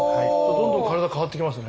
どんどん体変わってきますね。